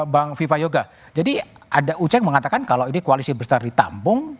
bang vipa yoga jadi ada uceg mengatakan kalau ini koalisi berserli tampung